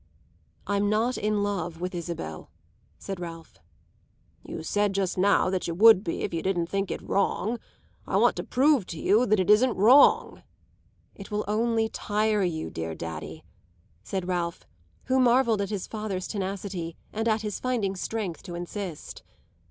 "I'm not in love with Isabel," said Ralph. "You said just now that you would be if you didn't think it wrong. I want to prove to you that it isn't wrong." "It will only tire you, dear daddy," said Ralph, who marvelled at his father's tenacity and at his finding strength to insist.